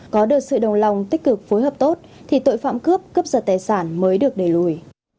có được sự đồng lòng tích cực phối hợp tốt thì tội phạm cướp cướp giật tài sản mới được đẩy lùi